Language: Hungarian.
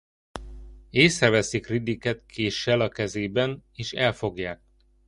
Észreveszik Riddicket késsel a kezében és elfogják.